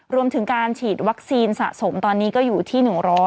รวมถึงการฉีดวัคซีนสะสมตอนนี้ก็อยู่ที่๑๐๐